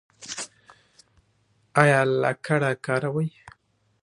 ایا لکړه کاروئ؟